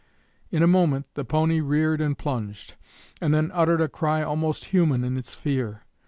In a moment the pony reared and plunged, and then uttered a cry almost human in its fear.